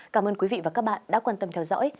cảm ơn quý vị và các bạn đã quan tâm theo dõi